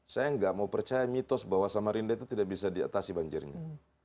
saya nggak mau percaya mitos bahwa samarinda itu tidak bisa diatasi banjirnya